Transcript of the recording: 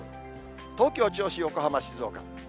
東京、銚子、横浜、静岡。